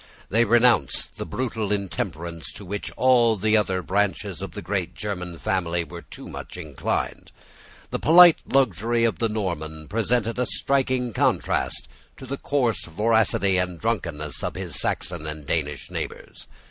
They renounced that brutal intemperance to which all the other branches of the great German family were too much inclined. The polite luxury of the Norman presented a striking contrast to the coarse voracity and drunkenness of his Saxon and Danish neighbours.